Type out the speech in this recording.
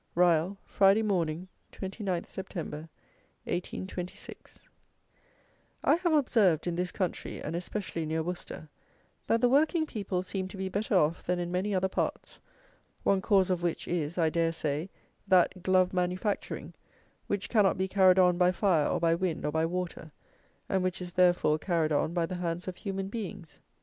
Ryall, Friday Morning, 29th September, 1826. I have observed, in this country, and especially near Worcester, that the working people seem to be better off than in many other parts, one cause of which is, I dare say, that glove manufacturing, which cannot be carried on by fire or by wind or by water, and which is, therefore, carried on by the hands of human beings.